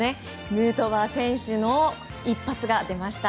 ヌートバー選手の一発が出ました。